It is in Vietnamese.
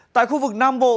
tại khu vực nam bộ